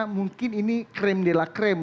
mungkin ini krim de la krim